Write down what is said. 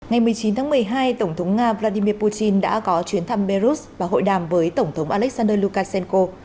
ngày một mươi chín tháng một mươi hai tổng thống nga vladimir putin đã có chuyến thăm belarus và hội đàm với tổng thống alexander lukashenko